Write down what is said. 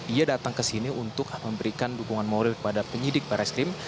ia datang ke sini untuk memberikan dukungan moral kepada penyidik barreskrim